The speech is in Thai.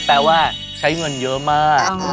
แปลว่าใช้เงินเยอะมาก